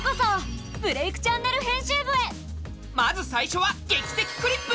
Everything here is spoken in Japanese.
まず最初は「劇的クリップ」！